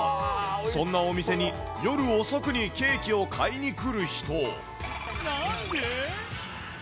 そんなお店に夜遅くにケーキを買いに来る人。